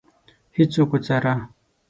هیڅوک وڅاره.